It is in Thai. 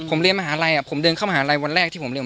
ผมเรียนมหาลัยอ่ะผมเดินเข้ามหาลัยวันแรกที่ผมเรียน